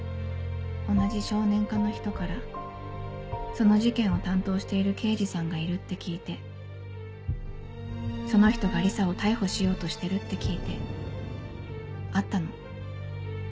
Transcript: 同じ少年課の人からその事件を担当している刑事さんがいるって聞いてその人がリサを逮捕しようとしてるって聞いて会ったの。